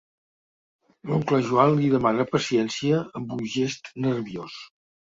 L'oncle Joan li demana paciència amb un gest nerviós.